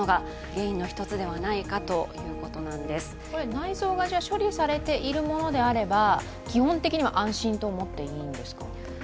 内臓が処理されているものであれば基本的には安心と思っていいですか。